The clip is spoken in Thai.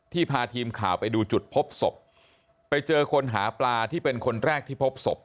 พาทีมข่าวไปดูจุดพบศพไปเจอคนหาปลาที่เป็นคนแรกที่พบศพ